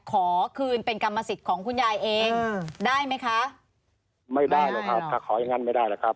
ขอคืนเป็นกรรมสิทธิ์ของคุณยายเองได้ไหมคะไม่ได้หรอกครับถ้าขออย่างงั้นไม่ได้หรอกครับ